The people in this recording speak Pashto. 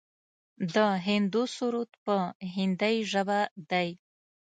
د هندو سرود په هندۍ ژبه دی.